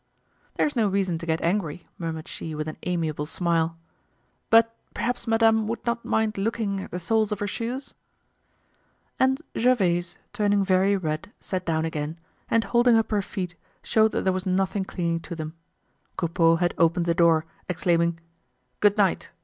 "There's no reason to get angry," murmured she with an amiable smile. "But, perhaps madame would not mind looking at the soles of her shoes." And Gervaise, turning very red, sat down again, and holding up her feet showed that there was nothing clinging to them. Coupeau had opened the door, exclaiming: "Good night!"